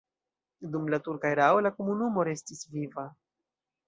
Dum la turka erao la komunumo restis viva.